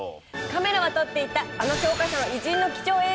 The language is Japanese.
カメラは撮っていたあの教科書の偉人の貴重映像。